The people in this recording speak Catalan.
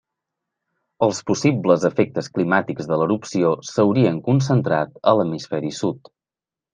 Els possibles efectes climàtics de l'erupció s'haurien concentrat a l'hemisferi sud.